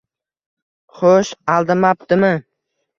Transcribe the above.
Xo`sh, aldamabdimi